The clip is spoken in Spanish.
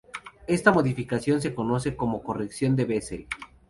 Esta modificación se conoce como "corrección de Bessel".